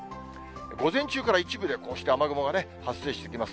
午前中から一部でこうして雨雲が発生してきます。